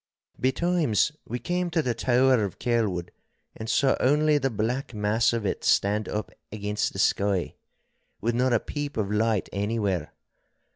Betimes we came to the tower of Kelwood and saw only the black mass of it stand up against the sky, with not a peep of light anywhere.